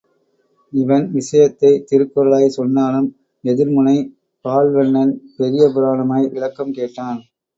இவன் விஷயத்தை திருக்குறளாய் சொன்னாலும், எதிர்முனை பால்வண்ணன் பெரிய புராணமாய் விளக்கம் கேட்டான்.